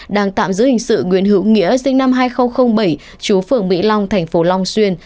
đang tạm giữ hình sự nguyễn hữu nghĩa sinh năm hai nghìn bảy chú phường mỹ long thành phố long xuyên